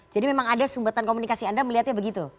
jadi memang ada sumbatan komunikasi anda melihatnya begitu